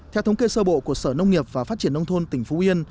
theo thống kê sơ bộ của sở nông nghiệp và phát triển nông thôn tỉnh phú yên